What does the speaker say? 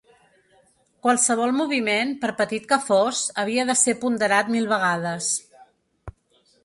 Qualsevol moviment, per petit que fos, havia de ser ponderat mil vegades.